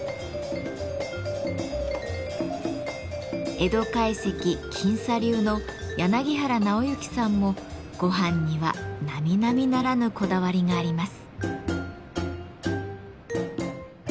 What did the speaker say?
江戸懐石近茶流の柳原尚之さんも「ごはん」には並々ならぬこだわりがあります。